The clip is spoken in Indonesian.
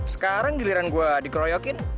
sekarang giliran gue dikeroyokin